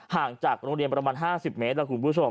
ห่างจากโรงเรียนประมาณ๕๐เมตรแล้วคุณผู้ชม